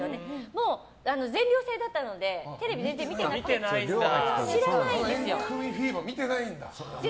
もう全寮制だったのでテレビを全然見てなくてエンクミフィーバー見てないんだ。